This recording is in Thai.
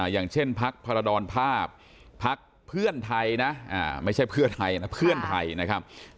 อย่างเช่นพักพรดรภาพพักเพื่อนไทยนะไม่ใช่เพื่อไทยนะเพื่อนไทยนะครับ